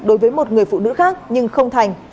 đối với một người phụ nữ khác nhưng không thành